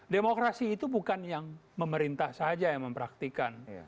demokrasi itu bukan yang memerintah saja yang mempraktikan